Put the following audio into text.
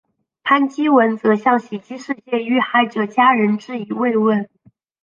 潘基文则向袭击事件遇害者家人致以慰问。